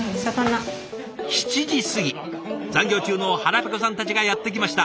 ７時過ぎ残業中の腹ぺこさんたちがやって来ました。